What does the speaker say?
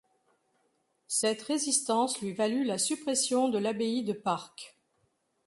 Cette résistance lui valut la suppression de l'abbaye de Parc.